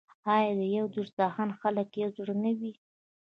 آیا د یو دسترخان خلک یو زړه نه وي؟